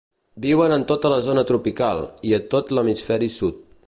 Viuen en tota la zona tropical, i a tot l'hemisferi sud.